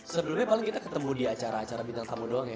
sebelumnya paling kita ketemu di acara acara bintang tamu doang ya